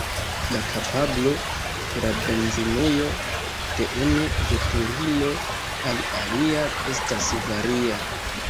La kapablo de la benzinujo de unu veturilo al alia estas varia.